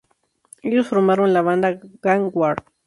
Ellos formaron la banda Gang War.